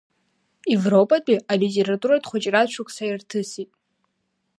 Европатәи алитературатә хәыҷратә шықәса ирҭысит.